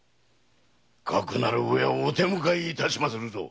かくなるうえはお手向かい致しまするぞ。